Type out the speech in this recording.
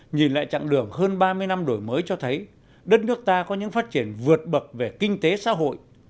nhìn lại chặng đường hơn ba mươi năm đổi mới cho thấy đất nước ta có những phát triển vượt bậc về kinh tế xã hội